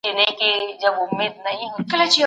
بايد د ښځو حقونو ته درناوی وسي.